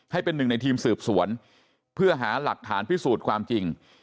ให้เป็นหนึ่งในทีมสืบสวนเพื่อหาหลักฐานพิสูจน์ความจริง